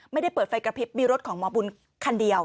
ไม่ได้เปิดไฟกระพริบมีรถของหมอบุญคันเดียว